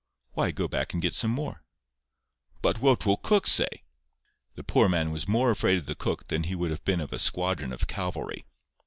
—"Why, go back and get some more."—"But what will cook say?" The poor man was more afraid of the cook than he would have been of a squadron of cavalry.